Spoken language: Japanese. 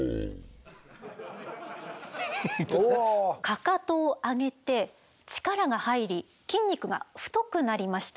かかとを上げて力が入り筋肉が太くなりました。